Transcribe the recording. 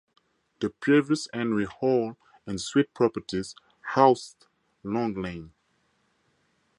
The previous Henry Hall and Sweet properties housed Long Lane.